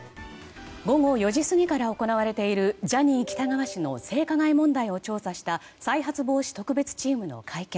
午後４時過ぎから行われているジャニー喜多川氏の性加害問題を調査した再発防止特別チームの会見